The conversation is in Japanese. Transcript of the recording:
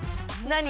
何？